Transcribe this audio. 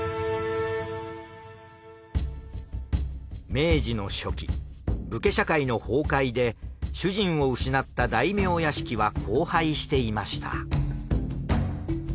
明治の初期武家社会の崩壊で主人を失った大名屋敷は荒廃していました。